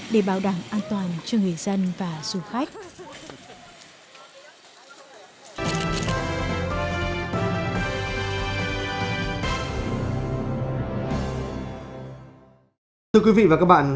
để bảo đảm an toàn cho người dân và du khách